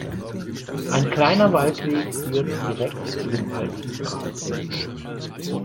Ein kleiner Waldweg führt direkt zu dem alten Grabfeld.